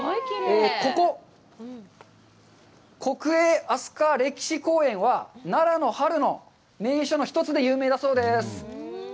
ここ、国営飛鳥歴史公園は奈良の春の名所の１つで有名だそうです。